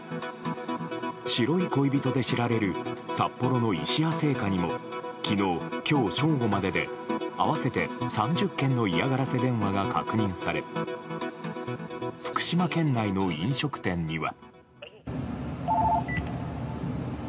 白い恋人で知られる札幌の石屋製菓にも昨日、今日正午までで合わせて３０件の嫌がらせ電話が確認され福島県内の飲食店には。